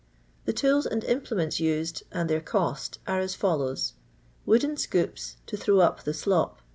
The tools and implements used, and their cost, are as follows :— ^wooden scoops, to throw up the slop.